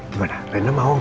gimana rena mau gak